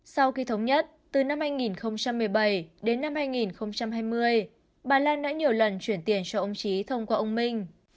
sau khi thống nhất từ năm hai nghìn một mươi bảy đến năm hai nghìn hai mươi bà lan đã nhiều lần chuyển tiền cho ông trí thông qua ông minh